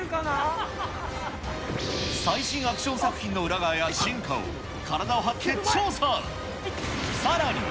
最新アクション作品の裏側や進化を、体を張って調査。